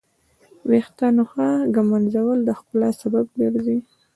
د ویښتانو ښه ږمنځول د ښکلا سبب ګرځي.